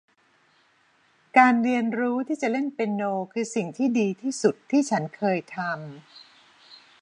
การเรียนรู้ที่จะเล่นเปียโน คือสิ่งที่ดีที่สุดที่ฉันเคยทำ